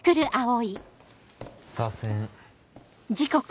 させん。